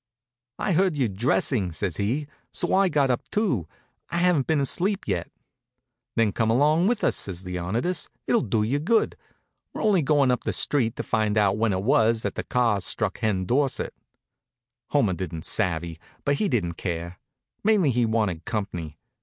"I heard you dressing," says he, "so I got up, too. I haven't been asleep yet." "Then come along with us," says Leonidas. "It'll do you good. We're only going up the street to find out when it was that the cars struck Hen Dorsett." Homer didn't savvy, but he didn't care. Mainly he wanted comp'ny.